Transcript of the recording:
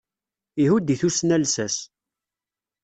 Ihud i tusna lsas.